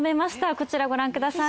こちらご覧ください。